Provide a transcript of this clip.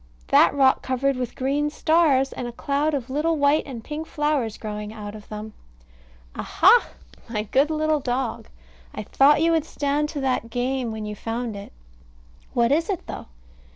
that rock covered with green stars and a cloud of little white and pink flowers growing out of them. Aha! my good little dog! I thought you would stand to that game when you found it. What is it, though?